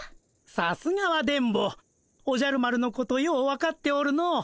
さすがは電ボおじゃる丸のことよう分かっておるの。